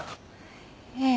ええ。